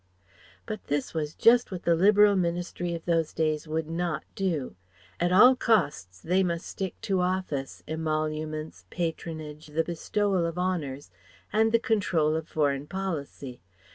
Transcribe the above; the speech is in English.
But this was just what the Liberal Ministry of those days would not do; at all costs they must stick to office, emoluments, patronage, the bestowal of honours, and the control of foreign policy.